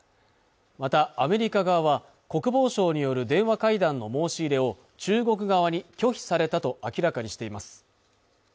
またアメリカ側は国防相による電話会談の申し入れを中国側に拒否されたと明らかにしています